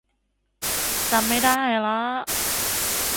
จำไม่ได้ละ